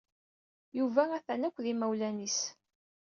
Yuba ha-t-an akked yimawlan-is.